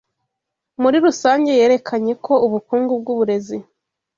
muri rusange yerekanye ko ubukungu bw’uburezi